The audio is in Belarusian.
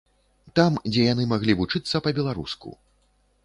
Там, дзе яны маглі вучыцца па-беларуску.